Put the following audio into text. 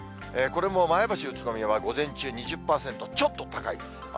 これも前橋、宇都宮は午前中２０％、ちょっと高い。